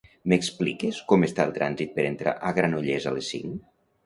M'expliques com està el trànsit per entrar a Granollers a les cinc?